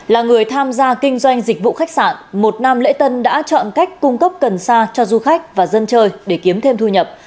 là người tham gia kinh doanh dịch vụ khách sạn một nam lễ tân đã chọn cách cung cấp cần sa cho du khách và dân chơi để kiếm thêm thu nhập